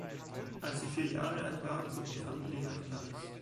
Als sie vier Jahre alt war, zog die Familie nach Paris.